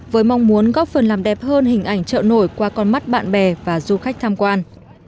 với mong muốn góp phần làm đẹp hơn hình ảnh chợ nổi qua con mắt bạn bè và du khách tham quan